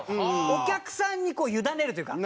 お客さんにこう委ねるというか。